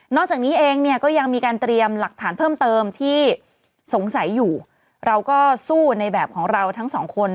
จากนี้เองเนี่ยก็ยังมีการเตรียมหลักฐานเพิ่มเติมที่สงสัยอยู่เราก็สู้ในแบบของเราทั้งสองคน